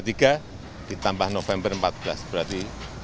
tiga tahun ditambah november empat belas berarti empat puluh tujuh